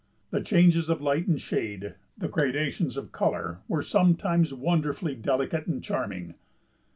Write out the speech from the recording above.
The changes of light and shade, the gradations of color, were sometimes wonderfully delicate and charming.